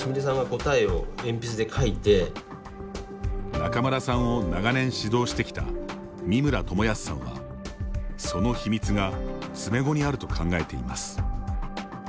仲邑さんを長年指導してきた三村智保さんはその秘密が詰碁にあると考えています。